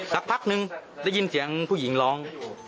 สักพักนึงได้ยินเสียงผู้หญิงร้อง